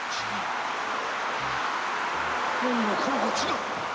〔何もかもが違う！